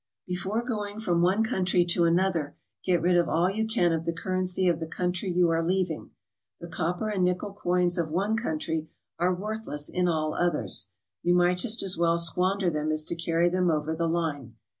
Before going from one country to another, get rid of all you can of the currency of the country you are leaving. The copper and nickel coins of one country are worthless in all others; you might just as well squander them as to carry them over the line.